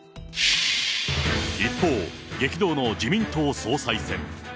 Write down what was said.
一方、激動の自民党総裁選。